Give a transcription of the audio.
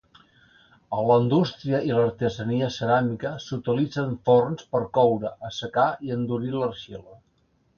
A la indústria i l'artesania ceràmica s'utilitzen forns per coure, assecar i endurir l'argila.